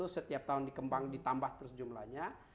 setiap tahun dikembang ditambah terus jumlahnya